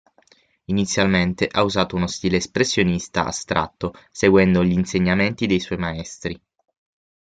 Inizialmente ha usato uno stile espressionista astratto, seguendo gli insegnamenti dei suoi maestri.